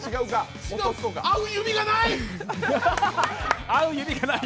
合う指がない！